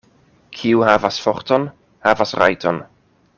Kiu havas forton, havas rajton.